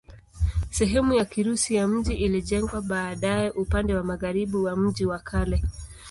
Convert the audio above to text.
Sehemu ya Kirusi ya mji ilijengwa baadaye upande wa magharibi wa mji wa kale.